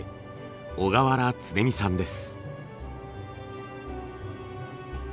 小河原常美さんです。